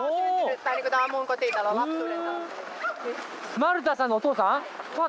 マルッタさんのお父さん？